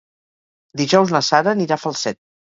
Dijous na Sara anirà a Falset.